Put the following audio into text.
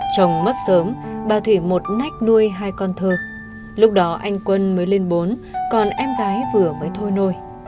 chồng mất sớm bà thủy một nách nuôi hai con thơ lúc đó anh quân mới lên bốn còn em gái vừa mới thôi nôi